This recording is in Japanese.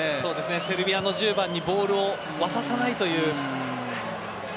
セルビアの１０番にボールを渡さないという。